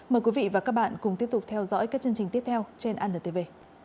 mời quý vị và các bạn cùng tiếp tục theo dõi các chương trình tiếp theo trên antv